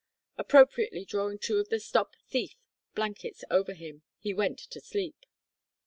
Appropriately drawing two of the "stop thief" blankets over him, he went to sleep.